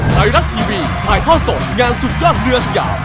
ไทรรัตทีวีไทท่อดศพงานสุดยอดเรือสยาว